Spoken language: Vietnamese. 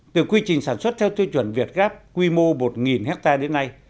từ quy trình sản xuất theo tiêu chuẩn việt gáp quy mô một ha đến nay